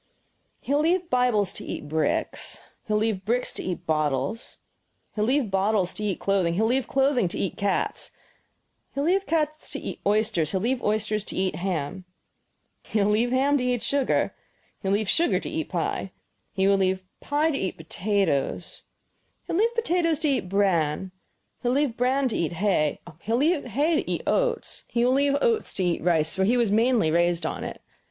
"He will leave Bibles to eat bricks, he will leave bricks to eat bottles, he will leave bottles to eat clothing, he will leave clothing to eat cats, he will leave cats to eat oysters, he will leave oysters to eat ham, he will leave ham to eat sugar, he will leave sugar to eat pie, he will leave pie to eat potatoes, he will leave potatoes to eat bran; he will leave bran to eat hay, he will leave hay to eat oats, he will leave oats to eat rice, for he was mainly raised on it.